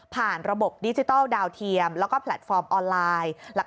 ระบบดิจิทัลดาวเทียมแล้วก็แพลตฟอร์มออนไลน์